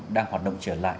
đang hoạt động trở lại